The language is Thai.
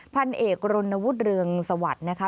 พันเอกรณวุฒิเรืองสวัสดิ์นะคะ